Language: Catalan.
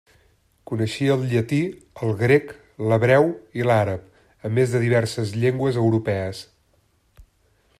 Coneixia el llatí, el grec, l'hebreu i l'àrab, a més de diverses llengües europees.